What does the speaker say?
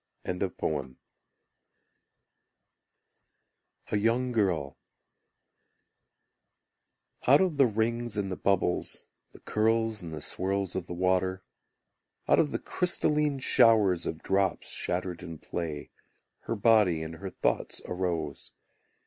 A Young Girl Out of the rings and the bubbles, The curls and the swirls of the water, Out of the crystalline shower of drops shattered in play, Her body and her thoughts arose.